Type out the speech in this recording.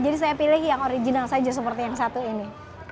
jadi saya pilih yang original saja seperti yang satu ini